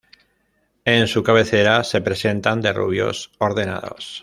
En su cabecera se presentan derrubios ordenados.